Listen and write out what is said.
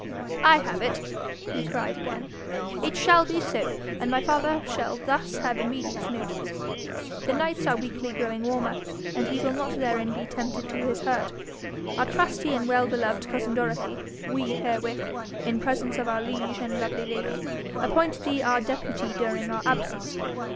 'I have it!' he cried again. 'It shall be so, and my father shall thus have immediate notice. The nights are weekly growing warmer, and he will not therein be tempted to his hurt. Our trusty and well beloved cousin Dorothy, we herewith, in presence of our liege and lovely lady, appoint thee our deputy during our absence.